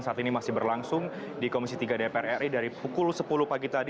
saat ini masih berlangsung di komisi tiga dpr ri dari pukul sepuluh pagi tadi